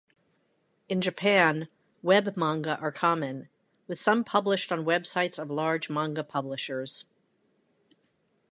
In Japan, webmanga are common, with some published on websites of large manga publishers.